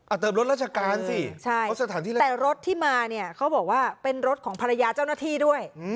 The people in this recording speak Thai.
เติมรถราชการสิใช่รถสถานที่แล้วแต่รถที่มาเนี่ยเขาบอกว่าเป็นรถของภรรยาเจ้าหน้าที่ด้วย